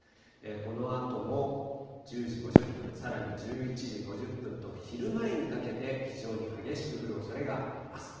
このあとも１０時５０分、さらに１１時５０分と、昼前にかけて非常に激しく降るおそれがあります。